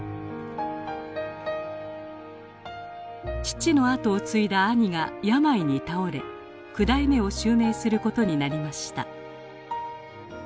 父の跡を継いだ兄が病に倒れ九代目を襲名することになりました。